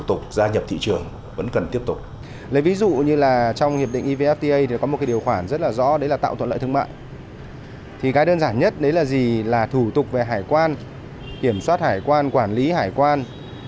thì cái đơn giản nhất đấy là gì là thủ tục về hải quan kiểm soát hải quan quản lý hải quan